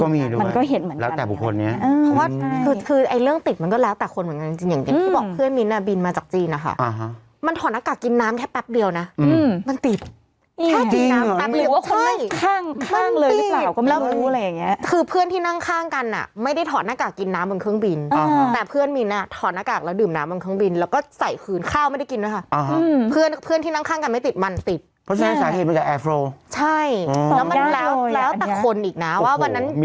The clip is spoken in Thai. มันก็อยู่ในสายเห็นเหมือนกับแอร์โฟร์ต่อไกลเลยอันยาวอันยาวโอ้โฮมีภูมิไหม